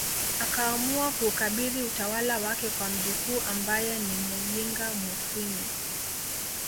Akaamua kuukabidhi utawala wake kwa mjukuu ambaye ni Muyinga Mufwimi